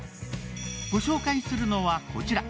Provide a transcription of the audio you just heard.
ご紹介するのは、こちら。